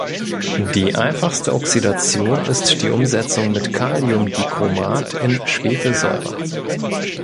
Die einfachste Oxidation ist die Umsetzung mit Kaliumdichromat in Schwefelsäure.